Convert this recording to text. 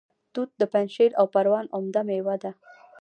توت د پنجشیر او پروان عمده میوه ده